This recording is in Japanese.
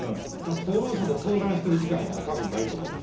厚労省と相談してる時間が、もうたぶん、ないと思うんです。